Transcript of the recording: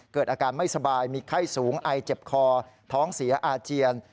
เกิดอาการไม่สบายมีไข้สูงไอเจ็บคอท้องเสียอาเจียน